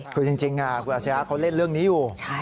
คือจริงคุณอาชียะเขาเล่นเรื่องนี้อยู่